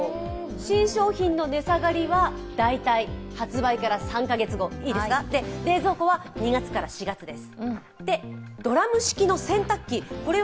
新商品の値下がりは、大体発売から３か月後、冷蔵庫は２月から４月です。